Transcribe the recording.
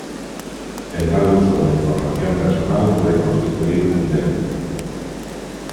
El mal uso de información personal puede constituir un delito.